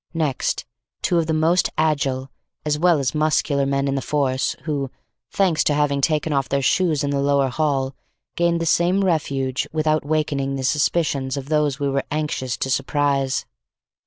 Next, two of the most agile, as well as muscular men in the force who, thanks to having taken off their shoes in the lower hall, gained the same refuge without awakening the suspicions of those we were anxious to surprise.